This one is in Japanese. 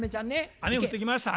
雨降ってきました。